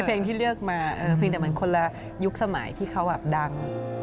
เพลงที่เลือกมาเพียงแต่มันคนละยุคสมัยที่เขาแบบดัง